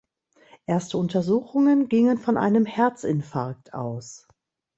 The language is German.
Erste Untersuchungen gingen von einem Herzinfarkt aus.